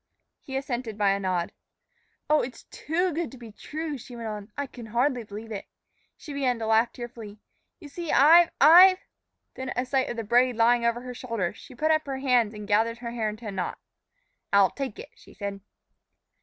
He assented by a nod. "Oh, it's too good to be true," she went on. "I can hardly believe it." She began to laugh tearfully. "You see, I've I've " Then, at sight of the braid lying over her shoulder, she put up her hands and gathered her hair into a knot. "I'll take it," she said.